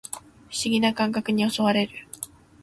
不思議な感覚に襲われる